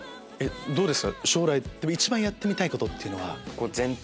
どうですか？